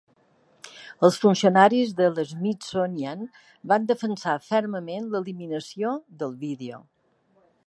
Els funcionaris de l'Smithsonian van defensar fermament l'eliminació de el vídeo.